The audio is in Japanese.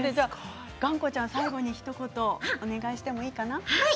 がんこちゃん最後にひと言お願いしてもいいかな？